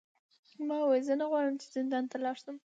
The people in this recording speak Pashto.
ما وویل زه نه غواړم چې زندان ته لاړ شم.